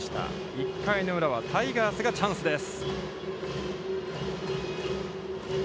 １回裏は、タイガースがチャンスです。